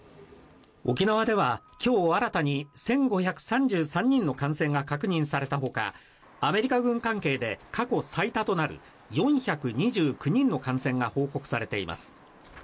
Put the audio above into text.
沖縄では今日新たに１５３３人の感染が確認されたほかアメリカ軍関係で過去最多となる４２９人の感染が報告されています。